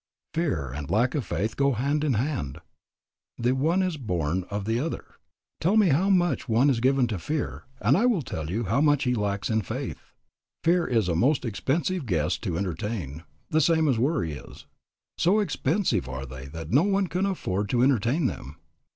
Fear and lack of faith go hand in hand. The one is born of the other. Tell me how much one is given to fear, and I will tell you how much he lacks in faith. Fear is a most expensive guest to entertain, the same as worry is: so expensive are they that no one can afford to entertain them.